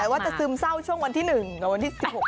ว่าจะซึมเศร้าช่วงวันที่๑กับวันที่๑๖